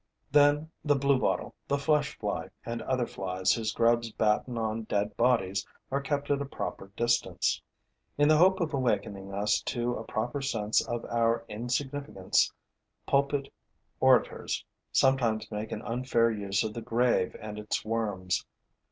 Then the bluebottle, the flesh fly and other flies whose grubs batten on dead bodies are kept at a proper distance. In the hope of awakening us to a proper sense of our insignificance, pulpit orators sometimes make an unfair use of the grave and its worms.